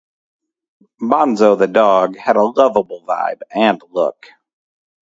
Bonzo the Dog had a lovable vibe and look.